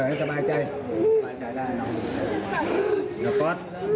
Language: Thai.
ให้สบายใจ